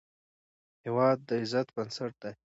هېواد د عزت بنسټ دی.